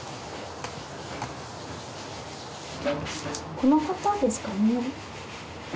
この方ですかね。